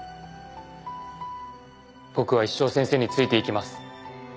僕は一生先生についていきます。